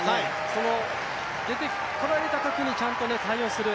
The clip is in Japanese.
その出てこられたときにちゃんと対応する。